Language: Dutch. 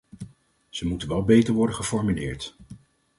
Ze moeten wel beter worden geformuleerd.